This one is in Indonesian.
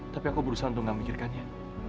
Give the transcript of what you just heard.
tapi aku berusaha untuk gak memikirkannya